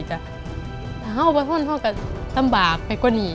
ถ้าเขาไปฟังเขาก็ต้องบากไปกว่านี้